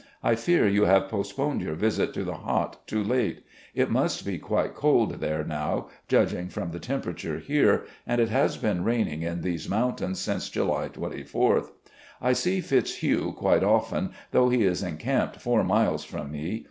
... I fear you have postponed your visit to the Hot too late. It must be quite cold there now, judging from the temperature here, and it has been rai ning in these mountains since July 24th. ... I see Fitz hugh quite often, though he is encamped four miles from me.